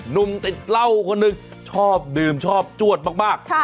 นุ่มติดเวลาคนหนึ่งชอบดื่มชอบจวดมากมากค่ะ